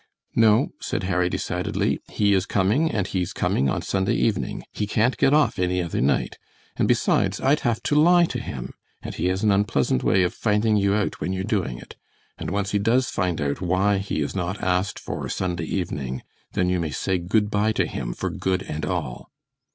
"No," said Harry, decidedly; "he is coming, and he's coming on Sunday evening. He can't get off any other night, and besides, I'd have to lie to him, and he has an unpleasant way of finding you out when you are doing it, and once he does find out why he is not asked for Sunday evening, then you may say good by to him for good and all."